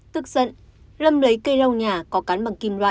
tức giận lâm lấy cây rau nhà có cán bằng kim loại